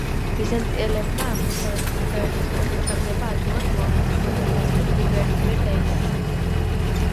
ბიზანტიელებმა აღმოსავლეთ ბულგარეთის ხელში ჩაგდება ადვილად მოახერხეს, მაგრამ დასავლეთ ბულგარეთი ვერ დაიმორჩილეს.